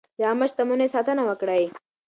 د عامه شتمنیو ساتنه وکړئ.